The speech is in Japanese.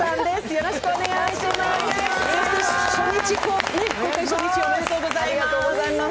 よろしくお願いします。